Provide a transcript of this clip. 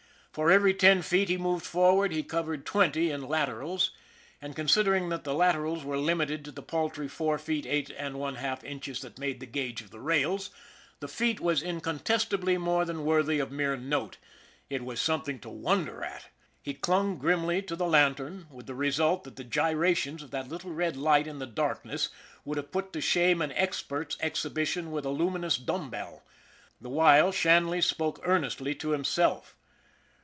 For every ten feet he moved forward he covered twenty in laterals, and, consider ing that the laterals were limited to the paltry four feet, eight and one half inches that made the gauge of the rails, the feat was incontestably more than worthy of mere note it was something to wonder at. He clung grimly to the lantern, with the result that the gyrations of that little red light in the darkness would have put to shame an expert's exhibition with a luminous dumb bell. The while Shanley spoke earnestly to himself.